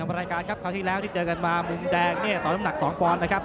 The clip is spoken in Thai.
เมื่อกี้แล้วที่เจอกันมามุมแดงต่อน้ำหนัก๒ปอนด์นะครับ